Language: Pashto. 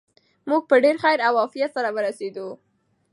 موږ په ډېر خیر او عافیت سره ورسېدو.